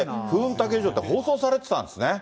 たけし城って放送されてたんですね。